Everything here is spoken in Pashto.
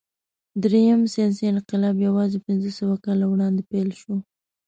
درېیم ساینسي انقلاب یواځې پنځهسوه کاله وړاندې پیل شو.